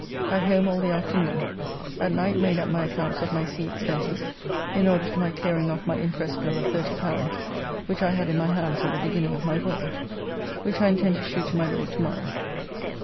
At home all the afternoon. At night made up my accounts of my sea expenses in order to my clearing off my imprest bill of L30 which I had in my hands at the beginning of my voyage; which I intend to shew to my Lord to morrow.